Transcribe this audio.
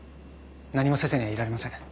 何もせずにはいられません。